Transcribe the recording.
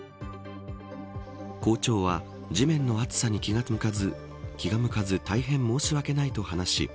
校長は地面の熱さに気が向かず大変申し訳ないと話し